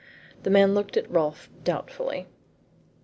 The man looked at Rolfe doubtfully.